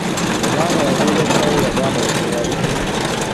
Omwana yabuuza kitaawe baganda be gye baali.